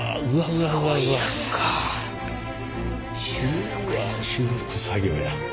うわ修復作業や。